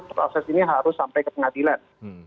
proses ini harus sampai ke pengadilan